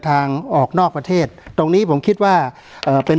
การแสดงความคิดเห็น